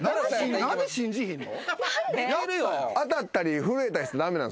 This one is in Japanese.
何で信じひんの？